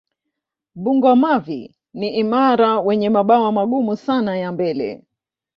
Bungo-mavi ni imara wenye mabawa magumu sana ya mbele.